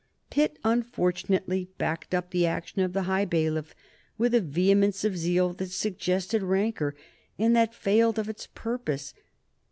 Pitt unfortunately backed up the action of the High Bailiff with a vehemence of zeal that suggested rancor, and that failed of its purpose.